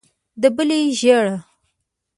د بلې ژېړه.